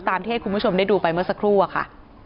ตามที่ให้คุณผู้ชมได้ดูไปเมื่อสักครู่อะค่ะ